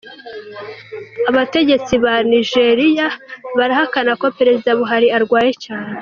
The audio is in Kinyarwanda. Abatagetsi ba Nigeriya barahakana ko Perezida Buhari arwaye cyane.